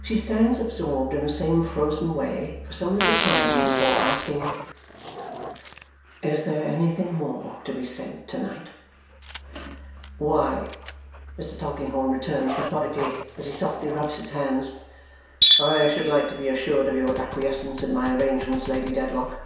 She stands absorbed in the same frozen way for some little time before asking, "Is there anything more to be said to night?" "Why," Mr. Tulkinghorn returns methodically as he softly rubs his hands, "I should like to be assured of your acquiescence in my arrangements, Lady Dedlock."